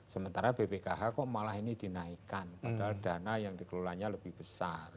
sementara bpkh kok malah ini dinaikkan padahal dana yang dikelolanya lebih besar